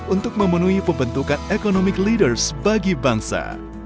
untuk memenuhi pembentukan economic leaders bagi bangsa